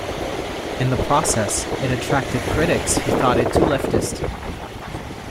In the process, it attracted critics who thought it too 'leftist'.